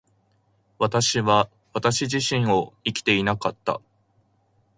私は私自身を生きていなかった。